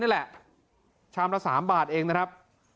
นี่แหละชามละ๓บาทเองนะครับ